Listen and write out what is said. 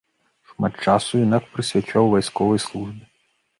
Шмат часу юнак прысвячаў вайсковай службе.